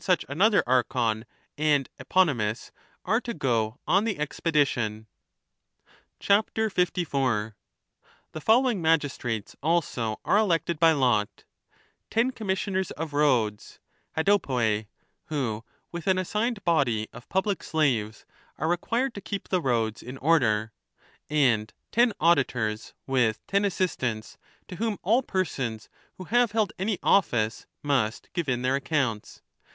and such another Archon and Eponymus are to go on the expedition. 54. The following magistrates also are elected by lot : Ten Commissioners of Roads [Hodo poei], who, with an assigned body of public slaves, are required to keep the roads in order : and ten Auditors, with ten assistants, to whom all persons who have held any office must give in their accounts.